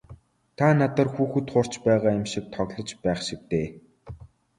Та надаар хүүхэд хуурч байгаа юм шиг л тоглож байх шив дээ.